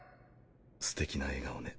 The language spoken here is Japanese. すてきな笑顔ね。